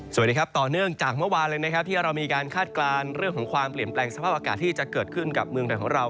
สวัสดีครับต่อเนื่องจากเมื่อวานเลยนะครับที่เรามีการคาดการณ์เรื่องของความเปลี่ยนแปลงสภาพอากาศที่จะเกิดขึ้นกับเมืองไทยของเรา